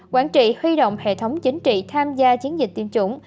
quảng trị huy động hệ thống chính trị tham gia chiến dịch tiêm chủng